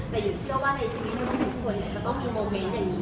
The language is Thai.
แต่หญิงเชื่อว่าในชีวิตของทุกคนจะต้องมีโมเมนต์อย่างนี้